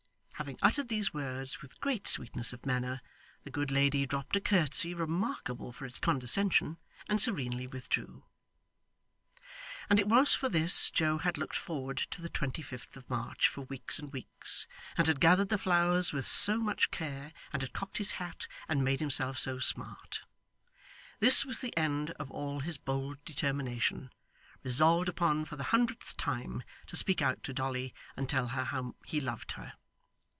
Having uttered these words with great sweetness of manner, the good lady dropped a curtsey remarkable for its condescension, and serenely withdrew. And it was for this Joe had looked forward to the twenty fifth of March for weeks and weeks, and had gathered the flowers with so much care, and had cocked his hat, and made himself so smart! This was the end of all his bold determination, resolved upon for the hundredth time, to speak out to Dolly and tell her how he loved her!